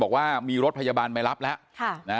บอกว่ามีรถพยาบาลไปรับแล้ว